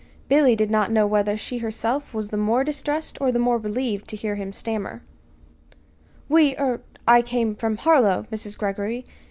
Billy did not know whether she herself were the more distressed or the more relieved to hear him stammer: "We er I came from Harlow, Mrs. Greggory.